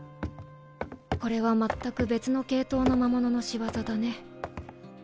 これはまったく別の系統の魔物の仕業だね。